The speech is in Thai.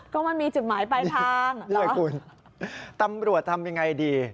ก็มันมีจุดหมายไปทางตำรวจทำยังไงดี